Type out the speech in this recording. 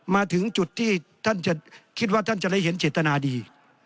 มาถึงจุดที่ท่านจะคิดว่าท่านจะได้เห็นเจตนาดี